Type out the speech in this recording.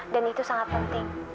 dan itu sangat penting